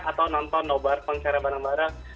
atau nonton no barfeng secara bareng bareng